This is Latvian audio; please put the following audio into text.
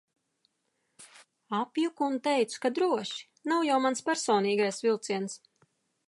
Apjuku un teicu, ka droši, nav jau mans personīgais vilciens.